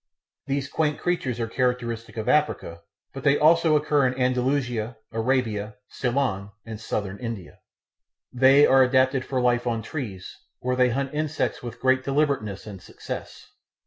These quaint creatures are characteristic of Africa; but they occur also in Andalusia, Arabia, Ceylon, and Southern India. They are adapted for life on trees, where they hunt insects with great deliberateness and success.